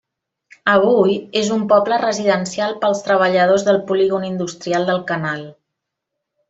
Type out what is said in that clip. Avui és un poble residencial per als treballadors del polígon industrial del canal.